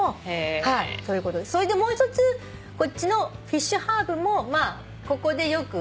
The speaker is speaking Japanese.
それでもう一つこっちの「フィッシュハーブ」もここでよく。